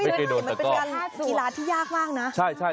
ไม่ได้มันเป็นการอีหลาดที่ยากมากนะ